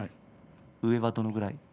上はどのくらい？